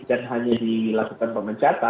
dan hanya dilakukan pemencata